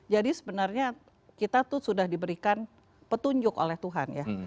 jadi sebenarnya kita itu sudah diberikan petunjuk oleh tuhan ya